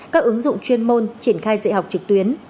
các ứng dụng chuyên môn triển khai dạy học trực tuyến